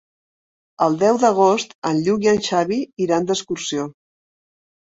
El deu d'agost en Lluc i en Xavi iran d'excursió.